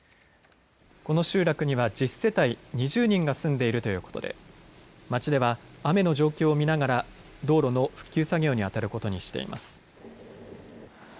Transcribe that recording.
この集落には１０世帯２０人が住んでいるということで町では雨の状況を見ながら道路の復旧作業にあたることにしています。